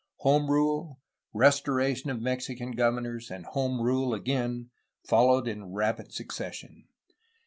Home rule, restoration of Mexican governors, and home rule, again, followed in rapid succession.